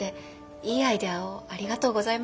いいアイデアをありがとうございました。